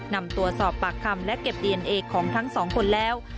นำตัวสอบปากคำและเก็บดีเอนเอของทั้งสองคนแล้ว